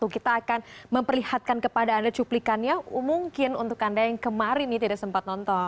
kita akan memperlihatkan kepada anda cuplikannya mungkin untuk anda yang kemarin ini tidak sempat nonton